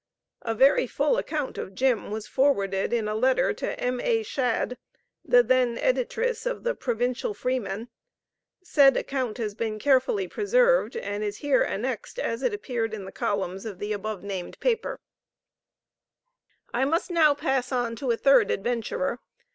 A very full account of "Jim," was forwarded in a letter to M.A. Shadd, the then Editress of the "Provincial Freeman." Said account has been carefully preserved, and is here annexed as it appeared in the columns of the above named paper: "I must now pass to a third adventurer.